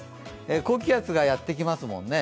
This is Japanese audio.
高気圧がやってきますもんね。